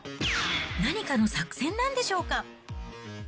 何かの作戦なんでしょうか。